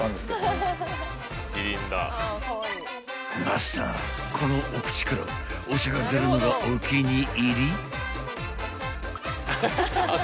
［マスターこのお口からお茶が出るのがお気に入り］